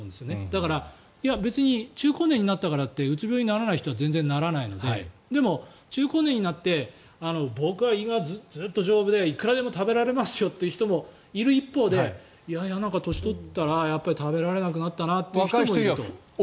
だから中高年になったからといってうつ病にならない人は全然ならないのででも、中高年になって僕は胃がずっと丈夫でいくらでも食べられますよという人がいる一方でいや、年を取ったら食べられなくなったなという人も。